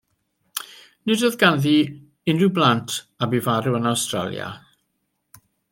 Nid oedd ganddi unrhyw blant a bu farw yn Awstralia.